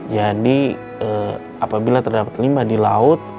jadi apabila terdapat limbah di laut